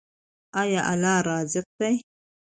آیا الله رزاق دی؟